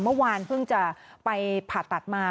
เมื่อวานเพิ่งจะไปผ่าตัดมา